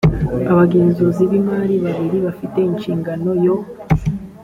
abagenzuzi b imari babiri bafite inshingano yo